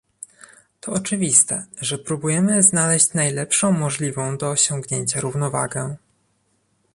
To oczywiste, że próbujemy znaleźć najlepszą możliwą do osiągnięcia równowagę